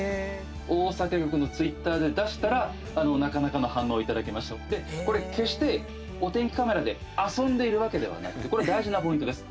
大阪局のツイッターで出したらなかなかの反応をいただけましてこれ、決してお天気カメラで遊んでいるわけではなくこれ、大事なポイントです。